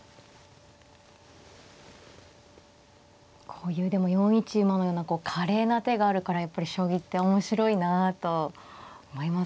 こういうでも４一馬のような華麗な手があるからやっぱり将棋って面白いなと思いますよね。